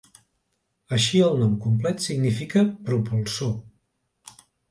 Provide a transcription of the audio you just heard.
Així el nom complet significa "propulsor".